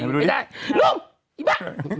ไม่ได้ลุงอีบ๊ะ